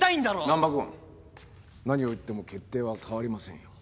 難破君何を言っても決定は変わりませんよ。